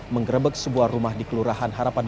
mengerebek sebuah rumah di kelurahan harapan